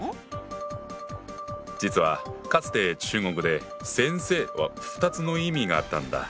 実はかつて中国で「先生」は２つの意味があったんだ。